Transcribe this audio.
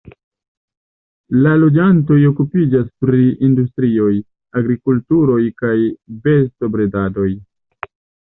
La loĝantoj okupiĝas pri industrioj, agrikulturoj kaj bestobredadoj.